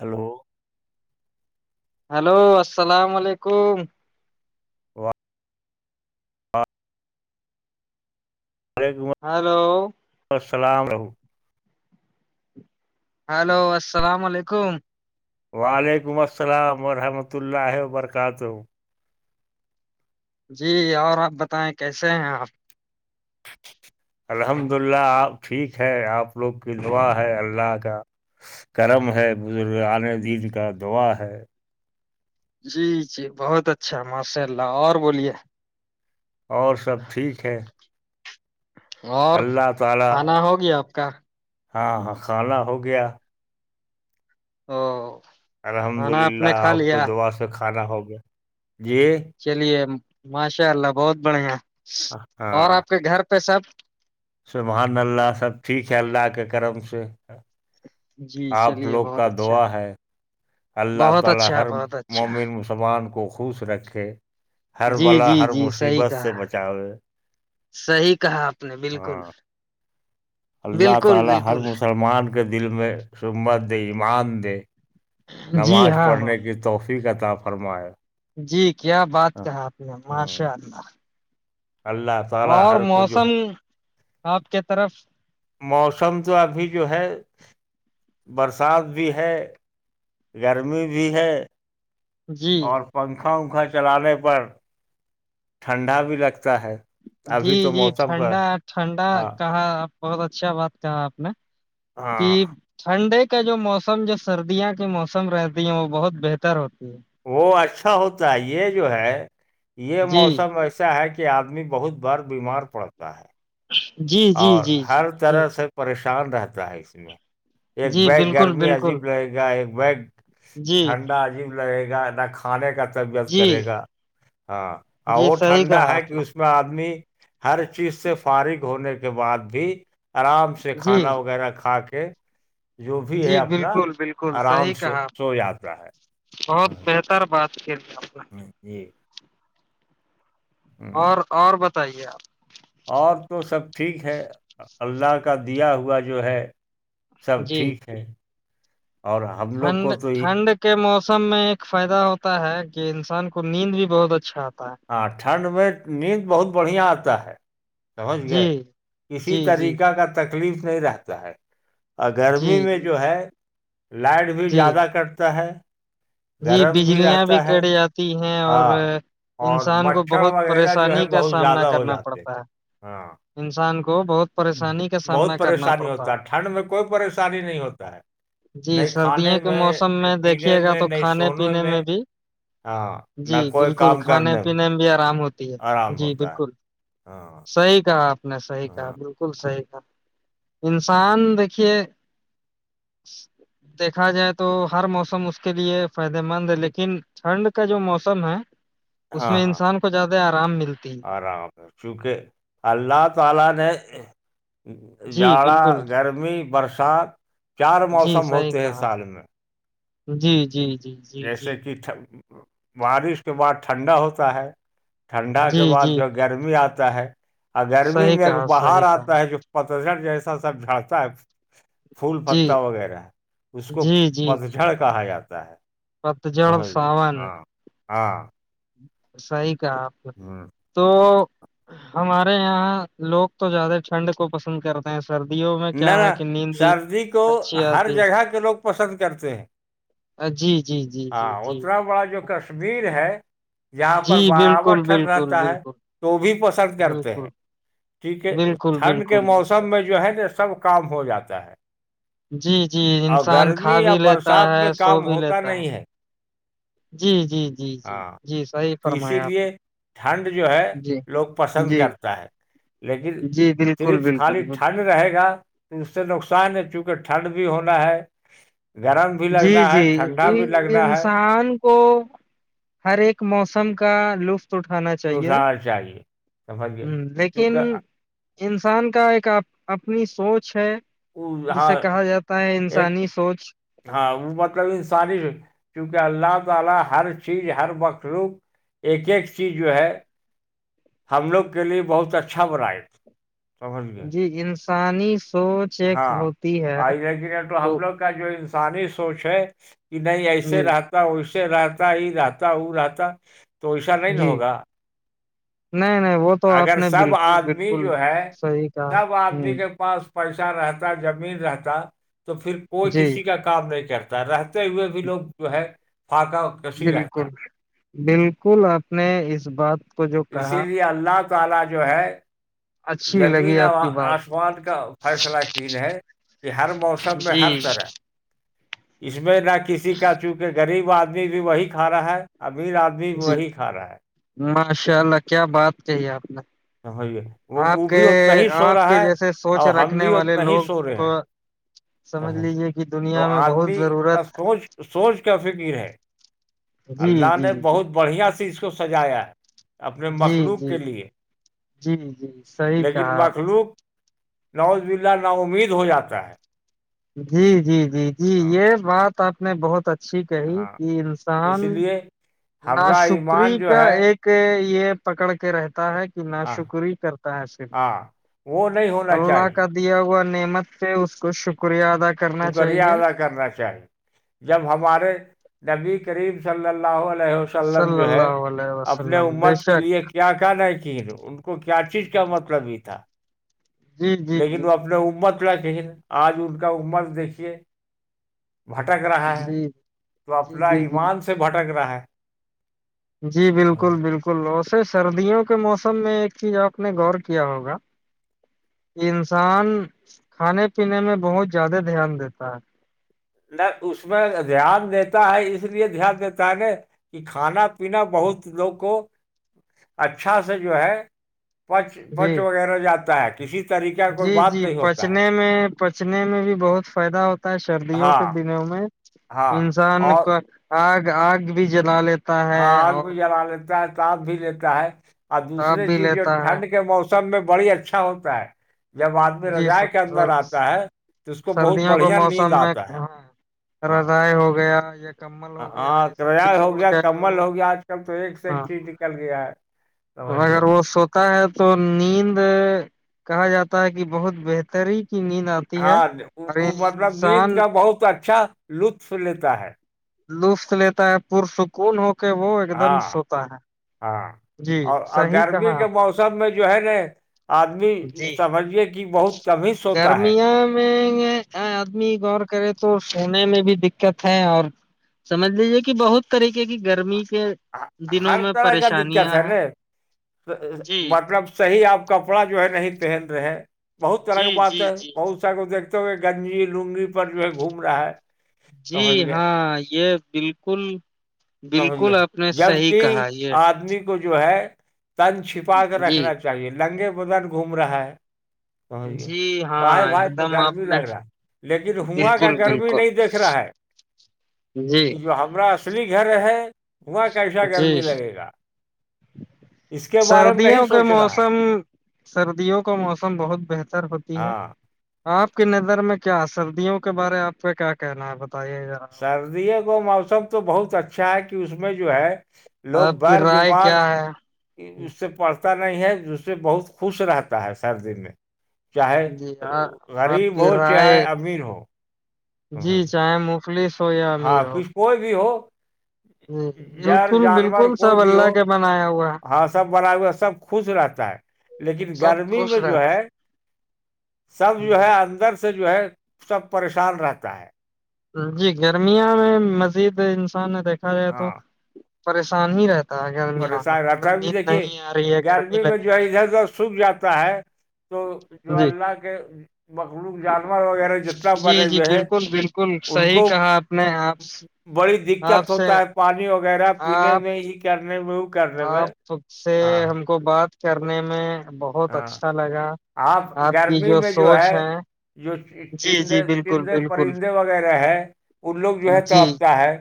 Hello hello السلام علیکم [unintelligible] hello السلام رہو ہلو السلام علیکم وعلیکم السلام ورحمۃ اللہ وبرکاتہ جی اور آپ بتائیں کیسے ہیں آپ الحمد للہ آپ ٹھیک ہے آپ لوگ کی دعا ہے اللہ کا کرم ہے بزرگ عنے دین کا دعا ہے جی جی بہت اچھا ماشاء اللہ اور بولیے اور سب ٹھیک ہے اور اللہ تعالی کھانا ہوگی آپ کا ہاں ہاں خانہ ہو گیا ہا الحمد للہ آپ کو دوعا سے کھانا ہوگا جی چلیے ماشاء اللہ بہت بڑھیا اور آپ کے گھر پہ سب سمان اللہ سب ٹیک ہے اللہ کے کرم سے جی آپ چلیے لوگ کا بہت دعا اچھا ہے اللہ بہت تعالی اچھا ہر بہت اچھا مومن سبان کو خوش رکھے ہر جی بلا جی ہر جی مصیبت سے بچاوے صحی کہا آپ نے بالکل ہاں اللہ بالکل تعالی ہر بالکل مسلمان کے دل میں سمت دے ایمان دے جی نماز ہاں ہاں پڑھنے کی تو توحفی کا تا فرمایا جی کیا بات کہا آپ نے ماشاء اللہ اللہف اور موسم آپ کے طرف موسم تو ابھی جو ہے برسات بھی ہے گرمی بھی ہے جی اور پنکھا ونکھا چلانے پر ٹھنڈا بھی لگتا ہے جی ابھی تو جی موسم کا ٹھنڈا ٹھنڈا ہاں کہا بہت اچھا بات کہا آپ نے ہاں ج ٹھنڈے کا جو موسم جو سردیاں کے موسم رہتی ہیں وہ بہت بہتر ہوتی ہے وہ اچھا ہوتا ہے یہ جو ہے یہ جی موسم ایسا ہے کہ آدمی بہت بار بیمار پڑتا ہے جی جی اور جی جی ہر جی طرح سے پریشان رہتا ہے اس میں ایک جی بیگ بالکل گرمی بالکل عجیب لگے گا ایک بیگ جی ٹھنڈا عجیب لگے گا نہ کھانے کا طبیعت جی کرے گا ہاں جی وہ صحیح ٹھنڈا کہا ہے آپ کہ نے اس آدمی ہر چیز سے فارغ ہونے کے بعد بھی آرام سے جی کھانا وغیرہ کھا کے جو بھی جی ہے اپنا بالکل بالکل آرام صحیح سے کہا سو جاتا ہے بہت بہتر ر بات کے لیے ہ جی ہوں اور اور بتائیے آپ اور تو سب ٹھیک ہے اللہ کا دیا ہوا جو ہے سب جی ٹھیک ہے اور ہم لوگ ٹھنڈ کو تو ٹھنڈ کے موسم میں ایک فائدہ ہوتا ہے کہ انسان کو نیند بھی بہت اچھا آتا ہے ہاں ٹھنڈ میں نیند بہت بڑھیا آتا ہے سمجھ گئے جی کسی جی جی طریقہ کا تکلیف نہیں رہتا ہے اور جی گرمی میں جو ہے لائٹ بھی جی زیادہ کٹتا ہے جی گرم بجلیاں بھی رہتا ہے کٹ جاتی ہیں اور ہاں اور انسان کو مچھر بہت وغیرہ جو ہے پریشانی کا بہت سامنا زیادہ ہو کرنا جاتے ہیں پڑتا ہے ہاں انسان کو بہت پریشانی کا بہت سامنا کرنا پریشانی پڑتا ہوتا ہے ٹھنڈ میں کوئی پریشانی نہیں ہوتا ہے جی نہیں کھانے سردیوں کے میں موسم نہیں میں دیکھیے پینے گا میں تو نہیں کھانا کھانے سونے پینے میں بھی ہاں نہ جی کوئی بالکل کام کھانے کرنے پینے میں بھی آرام ہوتی ہے آرام جی ہوتا ہے بالکل ہاں صحیح کہا آپ نے صحی کہا ہاں بالکل صحیح کہا انسان دیکھیے دیکھا جائے تو ہر موسم اس کے لیے فائدے مند ہے لیکن ٹھنڈ کا جو موسم ہے اس میں انسان کو زیادہ آرام ملتی ہے آراب [unintelligible] جی جاڑا بالکل گرمی برسات چار جی موسم صحیح ہوتے ہیں کہا سال میں جی جی جی جی جی جیسے کہ بارش کے بعد ٹھنڈا ہوتا ہے ٹھنڈا کے جی بعد جی جو جی گرمی آتا ہے اور گرمی صحیح میں ایک کہا بہار صحیح کہا آتا ہے جو پترٹ جیسا سب جاتتا ہے پھول جی پتا وغیرہ اس کو جی جی جی پتجھڑ کہا جاتا ہے تو پتجڑ ہو گی ساون ہاں ہاں صحیح کا [unintelligible] تو ہمارے یہاں لوگ تو زیادہ ٹھنڈ کو پسند کرتے ہیں سردیوں میں نہ کیا ہے ن کہ نیند بھی سردی کو اچھی ہر آتی جگہ کے لوگ پسند کرتے ہیں ہے جی جی جی ہاں جی جی اتنا بڑا جو ہاں کشمیر ہے جاں پر جی برابر بالکل ٹھنڈ بالکل رہتا ہے بالکل تو بھی پسند کرتے ہیں بالکل ٹھیک ہے بالکل ٹھنڈ کے بالکل موسم بالکل میں جو ہے نا سب کام ہو جاتا ہے جی جی اور انسان کھا گرمی یا بھی لیتا برسات ہے میں سو کام بھی ہوتا لیتا ہے نہیں جی جی جی جی ہاں جی صحیح تو اسی فرمایا آپ نے لیے ٹھنڈ جو ہے جی لوگ پسند جی کرتا ہے لیکن جی بالکل صرف خالی بالکل بالکل ٹھنڈ رہے گا اس سے نقصان ہے چونکہ ٹھنڈ بھی ہونا ہے گرم بھی جی لگنا ہے جی ٹھنڈا بھی لگنا ہے انسان کو ہر ایک موسم کا لطف تو اٹھانا چاہیے ہ اٹھانا چاہیے سمجھیے لیکن کیونکہ انسان کا ایک اپنی سوچ ہے وہ ہاں جسے کہا جاتا ہے ایک انسانی سوچ ہاں وہ مطلب انسانی کیونکہ اللہ تعالی ہر چیز ہر مخلوق ایک ایک چیز جو ہے ہم لوگ کے لیے بہت اچھا بناائے تھے جی انسانی سوچ ایک ہاں ہوتی ہے آئی لیکن تو ح لوگ کا جو انسانی سوچ ہے کہ نہیں ایسے جی رہتا ویس رہتا یہ رہتا وہ رہتا تو وسا نہیں ن جی ہوگا نہیں نہیں وہ تو آپ اگر نے سب بالکل آدمی بالکل جو ہے صحیح کہا سب آدمی ہوں کے پاس پیشان رہتا زمین رہتا تو پھر کوئی جی کسی کا کام نہیں کرتا رہتا ہوئے بھی لوگ جو ہے پاقا بالکل بالکل آپ نے اس بات کو جو اسی کہا لیے اللہ تعالی جو ہے اچھی زمین لگی آپ کی بات مان کا فیصلہقین ہے کہ ہر موسم میں ہر جی طرح اس میں نہ کسی کا چونکہ غریب آدمی بھی وہی کھا رہا ہے امیر آدمی جی وہی کھا رہا ہے ماشاء اللہ کیا بات کہی آپ نے سمجھیے وہ آپ وہ کے بھی اتنا ہی سو آپ رہا کے ہے جیسے سوچ اور ہم رکھنے بھی والے اتنا ہی لوگ سو رہے کو ہیں سمجھ لیجیے کہ تو دنیا میں بہت آدمی ضرورت کا سوچ سوچ کا فکر ہے ہے جی اللہ جی نے جی بہت بڑھیا سے اس کو سجایا ہے اپنے جی مخلوق جی کے لیے جی جی صحیح لیکن کہا آپ مخلوق نوز بلہ نامید ہو جاتا ہے جی جی جی جی ہاں یہ بات آپ نے بہت اچھی کہی ہاں کہ انسان اس لیے نا ہمارا شکری ایمان جو کا ہے ایک یہ پکڑ کے رہتا ہے کہ نا ہاں شکر ہی کرتا ہے صرف ہاں وہ نہیں ہونا اللہ چاہیے کا دیا ہوا نعمت سے اس کو شکریہ ادا کیا تو کر یہ ادا کرنا چاہے جب ہمارے نبی کریم صلی اللہ علیہ وسلم صل جو ہے اللہ اللہ اپنے امت کے لیے کیا ک ن ہے کہ ان کو کیا چیز کا مطلب ہی تھا جی جی لیکن جی وہ اپنے عمر پہ کہن آج ان کا عمر دیکھیے بھٹک رہا ہے جی تو جی اپنا جی جی ایمان سے بھٹک رہا ہے جی بالکل بالکل ووسے سردیوں کے موسم میں ایک چیز آپ نے غور کیا ہوگا انسان کھانے پینے میں بہت زیادہ دھیان دیتا ہے نہ اس میں دھیان دیتا ہے اس لیے دھیان دیتا ہے ن کہ کھانا پناا ہے بہت لوگ کو اچھا سے جو ہے پچ پچ جی وغیرہ جاتا ہے کسی طریقے کا کوئی جی بات جی نہیں ہوتا ہے پچنے میں پچنے میں بھی بہت فائدہ ہوتا ہے سردیوں ہاں کے دنوں میں ہاں انسان اور کا آگ آگ بھی جلا لیتے آگ بھی جلا لیتا ہے تپ بھی لیتا ہے اور تاپ دوسری بھی چیز جو لیتا ہے ٹھنڈ کے موسم س میں بڑی اچھا ہوتا ہے جب آدمی جی رجائ کے اندر آتا ہے تو اس کو بہت سردیوں کے بڑھیا نیند موسم میں آتا ہے ہاں ہاں رضائے ہو گیا یا کممل ہاں کرایہ ہو گیا کمبل ہو گیا آج کل تو ایک سے ایک چیز نکل گیا ہے سمجھ ہگار گئے بس ہے تو نیند کہا جاتا ہے کہ بہت بہتری کی نیند آتی ہے ہاں اور مطلب نیند انسان کا بہت اچھا لطف لیتا ہے لطف لیتا ہے پرسکون ہو کے وہ ایک دم ہاں سوتا ہے ہاں جی اور صحیح گرمی کہا کے آپ موسم سب میں جو ہے نا آدمی نے جی سمجھیے کہ بہت کم ہی سوتا ہے گرمیاں آدمی غور کرے تو سونے میں بھی دقت ہے اور سمجھ لیجیے کہ بہت طریقے کی گرمی کے دنوں ہر میں طرح کا دقت پریشانیاں ہے ن ہیں جی مطلب صحیح آپ کپڑا جو ہے نہیں پہن رہے ہیں بہت طرح کی جی بات جی جی ہے جی بہت س کو دیکتے ہو گنجی لنگی پر جو ہے گھوم رہا ہے جی سمجھ گئے ہاں یہ بالکل سمجھ گ بالکل آپ نے صحیح جبکہ کہا یہ آدمی کو جو ہے تن چھپا کر جی رکھنا چاہیے لنگے بدن گھوم رہا ہے سمج گئے جی تو آئے ہاں ایک بھائی تو دم گھر بھی آپ نے لگ رہا لیکن ہوواں کا بالکل گرمی نہیں بالکل دیکھ رہا ہے جی کہ جو ہمرا گھر ہے وہاں کیسا جی گرمی لگے گا اس کے بارے میں نہیں سردیوں کا سوچ رہا ہے موسم سردیوں کا موسم بہت بہتر ہوتی ہے ہاں آپ کی نظر میں کیا سردیوں کے بارے آپ کا کیا کہنا ہے بتائیے ذرا سردیوں کو موسم تو بہت اچھا ہے کہ اس میں جو ہے لوگ آپ کی بار رائے بیمار کیا ہے اس سے پڑتا نہیں ہے جس سے بہت خوش رہتا ہے سردی میں چاہے جی آپ غریب کی ہو چاہے رائے امیر ہو سمجھ جی گیا چاہے مفلس ہو یا امیر ہاں ہو کچھ کوئی بھی ہو جی جل بالکل جانور بالکل کوئی سب بھی اللہ ہو کے بنایا ہوا ہے ہاں سب بڑا ہوا ہے سب خوش رہتا ہے لیکن سب گرمی خوش میں جو رہتا ہے سب جو ہے اندر سے جو ہے سب پریشان رہتا ہے جی گرمیا میں مزید انسان نے دیکھا جائے تو ہاں پریشان ہی رہتا ہے گرمیاں میں پریشان رہتا مطلب ہےب نیند دیکھیے نہیں آ رہی ہے گرمی میں لگ جو ہے رہی ادھر ادھر سوکھ جاتا ہے تو جو جی اللہ کے مخلوق جانور وغیرہ جتنا جی بنےے جی ہوئے ہے بالکل بالکل ان صحیح کو کہا آپ نے آپ بڑی آپ دقت سے ہوتا ہے پانی وغیرہ آپ پینے میں ہی کرنے میں کرنے میں آپ خب سے ہاں ہم کو بات کرنے میں بہت ہاں اچھا لگا آپ کی جو سوچ ہے جی جوند جی بالکل چند بالکل پرندے وغیرہ ہیں ان لوگ جو ہے جی تڑپتا ہے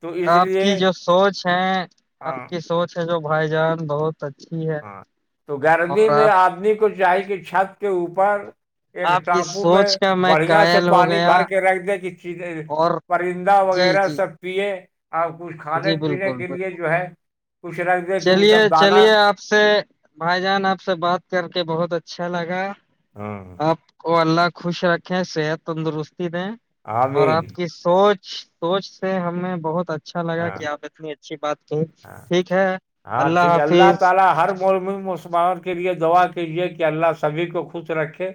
تو اس آپ لیے کی جو سوچ ہے آپ ہاں کی سوچ ہے جو بھائی جان بہت اچھی ہے ہاں تو گرمی اور میں آپ آدمی کو چاہی کہ چھت کے اوپر ایک آپ کی ٹاپو میں سوچ کا بڑھیا سے قائل ہو پانی گیا بھر کے رکھ دے کہ اور پرندہ جی وغیرہ جی سب پیے اور کچھ کھانے جی پینے بالکل کے بالکل۔ لیے جو ہے کچھ رنگ چلیے چلیے آپ سے بھائی جان آپ سے بات کر کے بہت اچھا لگا ہاں آپ کو اللہ خوش رکھیں صحت تندرستی دیں اور آمین آپ کی سوچ سوچ سے ہمیں بہت اچھا لگا ہاں کہ آپ اتنی اچھی بات کہ ہاں ٹھیک ہے ہاں ٹھیک ہے اللہ تعالی م مسلمان کے لیے دعا کیجیے کہ اللہ سبھی کو خوش رکھے